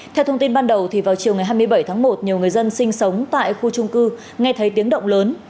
theo thông tin ban đầu vào chiều ngày hai mươi bảy tháng một nhiều người dân sinh sống tại khu trung cư nghe thấy tiếng động lớn